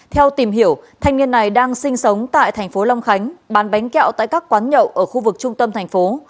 theo tìm hiểu thanh niên này đang sinh sống tại thành phố long khánh bán bánh kẹo tại các quán nhậu ở khu vực trung tâm thành phố